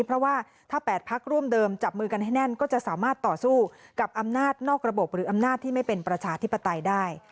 เพราะว่าถ้า๘พักร่วมเดิมจับมือกันให้แน่นก็จะสามารถต่อสู้กับอำนาจนอกระบบหรืออำนาจที่ไม่เป็นประชาธิปไตยได้